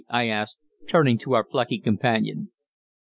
I asked, turning to our plucky companion.